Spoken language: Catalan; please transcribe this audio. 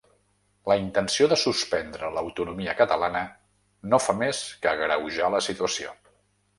La intenció de ‘suspendre’ l’autonomia catalana no fa més que agreujar la situació.